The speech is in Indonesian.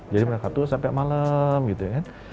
jadi main kartu sampai malam gitu ya kan